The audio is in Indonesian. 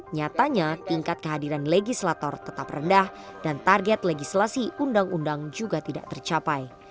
nyatanya tingkat kehadiran legislator tetap rendah dan target legislasi undang undang juga tidak tercapai